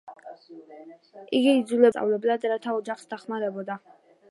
იგი იძულებული გახდა ემუშავა მასწავლებლად რათა ოჯახს დახმარებოდა.